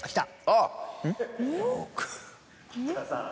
あっ！